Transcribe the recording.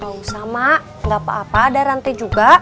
gak usah mak gak apa apa ada rantai juga